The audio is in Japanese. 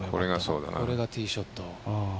これがティーショット。